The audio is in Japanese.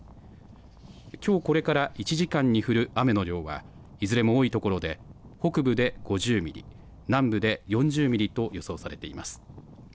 きょうこれから１時間に降る雨の量は、いずれも多い所で北部で５０ミリ、南部で４０ミリと予想されています。